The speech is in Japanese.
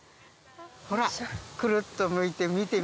ほらくるっと向いて見てみて。